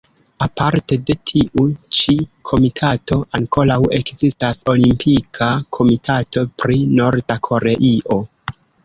Aparte de tiu-ĉi komitato, ankoraŭ ekzistas Olimpika Komitato pri Norda Koreio.